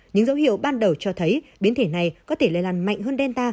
những dấu hiệu ban đầu cho thấy biến thể này có thể lây lan mạnh hơn delta